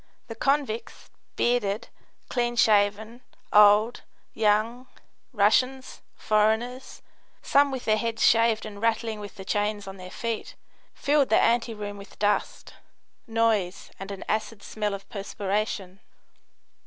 The convicts, bearded, clean shaven, old, young, Russians, foreigners, some with their heads shaved and rattling with the chains on their feet, filled the anteroom with dust, noise and an acid smell of perspiration.